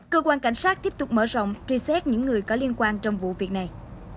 cơ quan cảnh sát tiếp tục mở rộng truy xét những người có liên quan trong vụ việc này